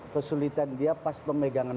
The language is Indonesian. kesulitan dia pas pemegangan